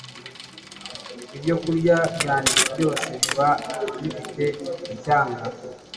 Ibyokurya byanjye byose biba bifite icyanga